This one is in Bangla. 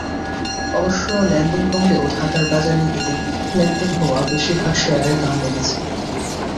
অবশ্য লেনদেন কমলেও ঢাকার বাজারে এদিন লেনদেন হওয়া বেশির ভাগ শেয়ারের দাম বেড়েছে।